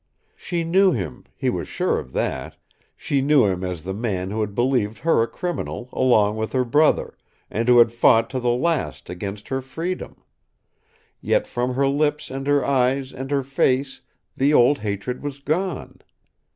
She knew him he was sure of that; she knew him as the man who had believed her a criminal along with her brother, and who had fought to the last against her freedom. Yet from her lips and her eyes and her face the old hatred was gone.